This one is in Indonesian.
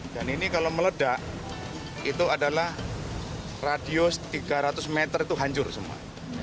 dan ini kalau meledak itu adalah radius tiga ratus meter itu hancur semua